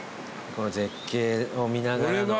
この絶景を見ながらの。